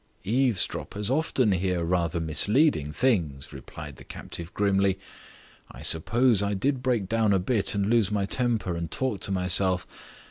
"Eavesdroppers often hear rather misleading things," replied the captive grimly. "I suppose I did break down a bit and lose my temper and talk to myself.